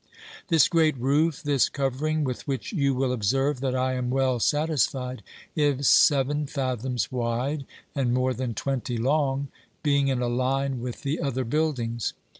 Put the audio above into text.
This great roof, this covering, with which you will observe that I am well satisfied, is seven fathoms wide and more than twenty long, being in a line with the other buildings.